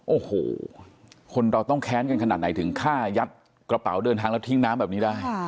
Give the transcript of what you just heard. โอ้โหคนเราต้องแค้นกันขนาดไหนถึงฆ่ายัดกระเป๋าเดินทางแล้วทิ้งน้ำแบบนี้ได้